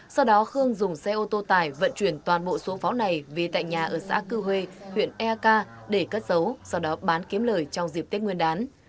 sau đó khương dùng xe ô tô tải vận chuyển toàn bộ số pháo này về tại nhà ở xã cư huê huyện eak để cất dấu sau đó bán kiếm lời trong dịp tết nguyên đán